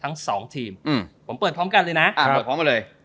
ทั้งสองทีมผมเปิดพร้อมกันเลยนะเปิดพร้อมมาเลย